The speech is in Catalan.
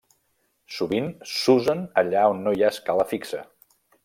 Sovint s'usen allà on no hi ha escala fixa.